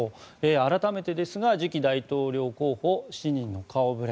改めてですが次期大統領候補７人の顔触れ。